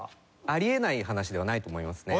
あり得ない話ではないと思いますね。